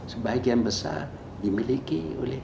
sebagian besar dimiliki oleh